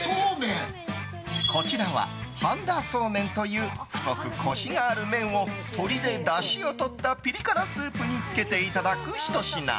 こちらは半田そうめんという太くコシがある麺を鶏でだしをとったピリ辛スープにつけていただくひと品。